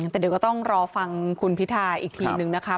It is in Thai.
แต่เดี๋ยวก็ต้องรอฟังคุณพิทาอีกทีนึงนะคะ